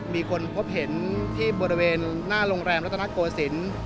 มีคนพบเห็นที่บริเวณหน้าโรงแรมรัตนโกศิลป์